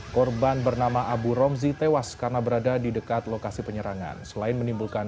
korban bernama abu romzi tewas karena berada di dekat lokasi penyerangan selain menimbulkan